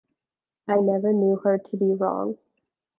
I never knew her to be wrong.